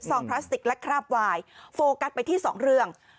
ซองพลาสติกและคราบไวน์โฟกัสไปที่๒เรื่อง